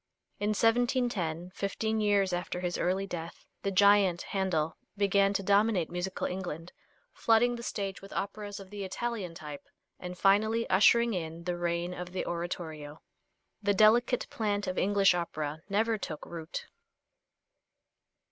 In 1710, fifteen years after his early death, the giant Handel began to dominate musical England, flooding the stage with operas of the Italian type and finally ushering in the reign of the oratorio. The delicate plant of English opera never took root.